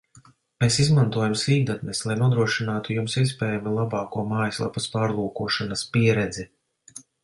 Mēs izmantojam sīkdatnes, lai nodrošinātu Jums iespējami labāko mājaslapas pārlūkošanas pieredzi